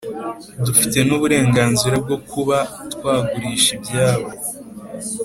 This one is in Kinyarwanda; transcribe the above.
dufite nuburenganzira bwo kuba twagurisha ibyabo